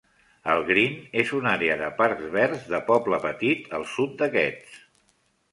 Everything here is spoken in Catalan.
El Green és una àrea de parcs verds de poble petit al sud d'aquests.